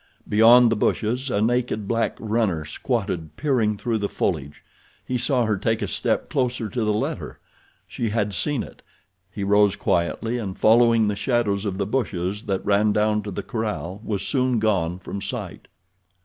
Beyond the bushes a naked black runner squatted, peering through the foliage. He saw her take a step closer to the letter. She had seen it. He rose quietly and following the shadows of the bushes that ran down to the corral was soon gone from sight.